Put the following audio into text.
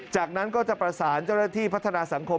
จากนั้นก็จะประสานเจ้าหน้าที่พัฒนาสังคม